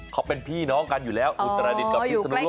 เขาเป็นพี่น้องกันอยู่แล้วอุตรดิษฐ์กับพิศนุ